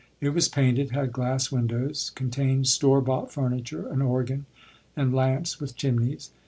It was painted, had glass windows, contained "store bought" furniture, an organ, and lamps with chimneys.